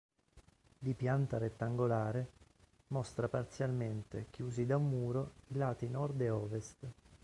Di pianta rettangolare, mostra parzialmente, chiusi da un muro, i lati nord e ovest.